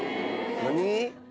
何？